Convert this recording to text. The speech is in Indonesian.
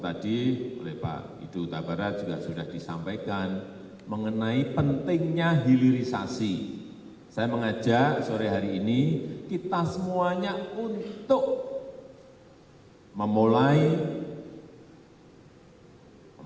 presiden juga mengatakan defisit neraca perdagangan dan defisit transaksi berjalan dapat teratasi dalam waktu tiga tahun